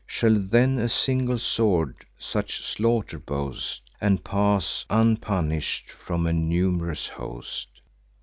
Shall then a single sword such slaughter boast, And pass unpunish'd from a num'rous host?